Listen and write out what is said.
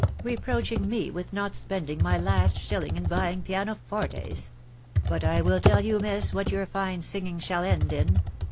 . reproaching me wfth riotf spend ing my last shilling in buying piano fortes'! But I will tell you, miss, what your fine singing shall end in.